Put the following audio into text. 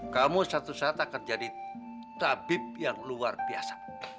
kamu satu satu akan jadi tabib yang luar biasa